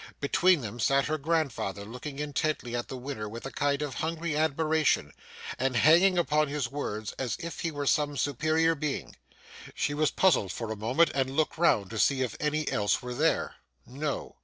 Between them sat her grandfather, looking intently at the winner with a kind of hungry admiration, and hanging upon his words as if he were some superior being. She was puzzled for a moment, and looked round to see if any else were there. No.